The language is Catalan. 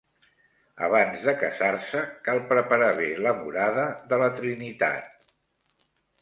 Abans de casar-se, cal preparar bé la morada de la Trinitat.